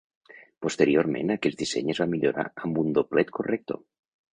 Posteriorment aquest disseny es va millorar amb un doblet corrector.